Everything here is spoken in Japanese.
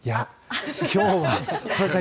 今日は、佐々木さん